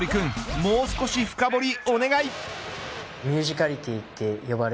もう少し深堀り、お願い。